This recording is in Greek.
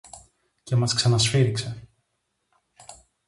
Και μας ξανασφύριξε.